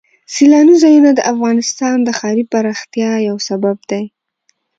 سیلاني ځایونه د افغانستان د ښاري پراختیا یو سبب دی.